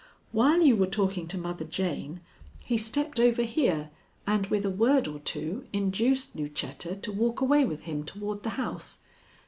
"While you were talking to Mother Jane he stepped over here, and with a word or two induced Lucetta to walk away with him toward the house.